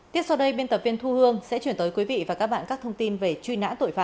tiếp sau đây biên tập viên thu hương sẽ chuyển tới quý vị và các bạn các thông tin về truy nã tội phạm